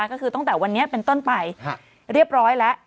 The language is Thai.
ก็คือตั้งแต่วันนี้เป็นต้นไปเรียบร้อยแล้ว